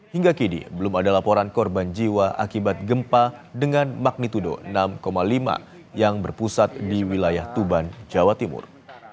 hingga kini belum ada laporan korban jiwa akibat gempa dengan magnitudo enam lima yang berpusat di wilayah tuban jawa timur